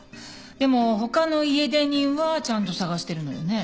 でも他の家出人はちゃんと捜してるのよね？